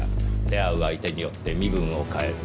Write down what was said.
出会う相手によって身分を変える。